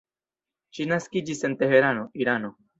Ŝi naskiĝis en Teherano, Irano.